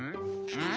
うん。